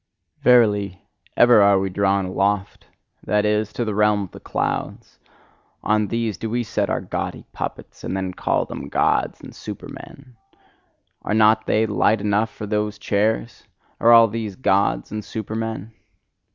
Verily, ever are we drawn aloft that is, to the realm of the clouds: on these do we set our gaudy puppets, and then call them Gods and Supermen: Are not they light enough for those chairs! all these Gods and Supermen?